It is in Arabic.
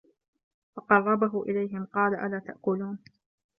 فَقَرَّبَهُ إِلَيهِم قالَ أَلا تَأكُلونَ